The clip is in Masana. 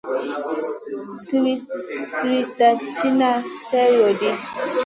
Siwitna tchiwda tay lo ɗi.